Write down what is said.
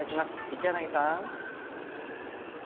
一柳さん。